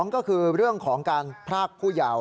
ก็คือเรื่องของการพรากผู้เยาว์